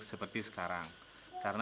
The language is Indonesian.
seperti sepeda motor